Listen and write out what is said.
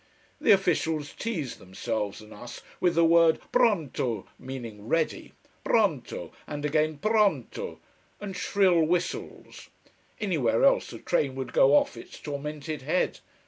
The officials tease themselves and us with the word pronto, meaning ready! Pronto! And again Pronto! And shrill whistles. Anywhere else a train would go off its tormented head.